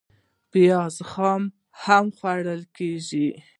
پیاز خام هم خوړل کېږي